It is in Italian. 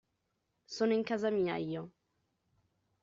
Sono in casa mia, io!